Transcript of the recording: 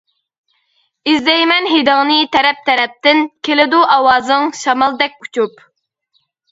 ئىزدەيمەن ھىدىڭنى تەرەپ-تەرەپتىن، كېلىدۇ ئاۋازىڭ شامالدەك ئۇچۇپ.